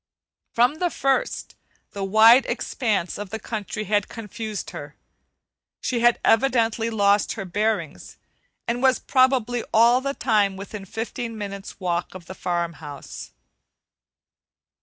From the first, the wide expanse of the country had confused her; she had evidently "lost her bearings" and was probably all the time within fifteen minutes' walk of the farm house.